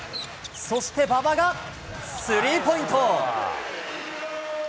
そして馬場がスリーポイント。